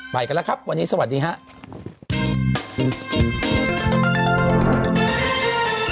ไปกันแล้วครับวันนี้สวัสดีครับ